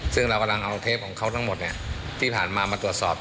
ซึ่งเรากำลังเอาเทปของเขาทั้งหมดที่ผ่านมามาตรวจสอบ